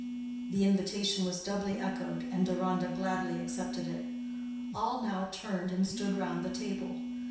The invitation was doubly echoed, and Deronda gladly accepted it. All now turned and stood round the table.